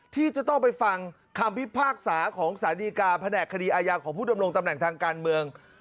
ที่จะต้องไปฟังคำพิพากษาของสารดีการแผนกคดีอาญาของผู้ดำรงตำแหน่งทางการเมือง